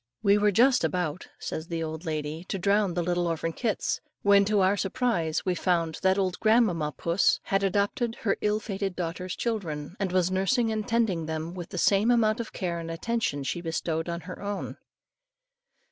"We were just about," says the lady, "to drown the little orphan kits, when, to our surprise, we found that old grandmamma puss had adopted her ill fated daughter's children, and was nursing and tending them, with the same amount of care and attention she bestowed on her own."